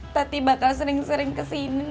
tati bakal sering sering kesini nengokin emak